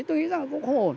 tôi nghĩ rằng cũng không ổn